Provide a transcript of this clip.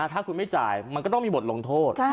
ถ้าคุณไม่จ่ายมันก็ต้องมีบทลงโทษ